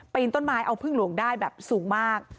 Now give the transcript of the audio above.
ต้นไม้เอาพึ่งหลวงได้แบบสูงมาก